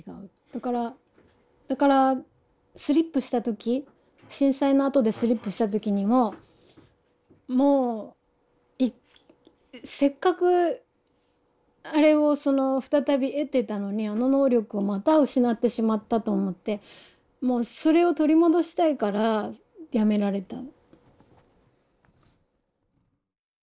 だからだからスリップした時震災のあとでスリップした時にももうせっかくあれを再び得てたのにあの能力をまた失ってしまったと思ってもうそれを取り戻したいからやめられた。